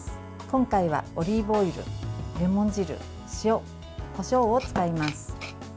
今回はオリーブオイル、レモン汁塩、こしょうを使います。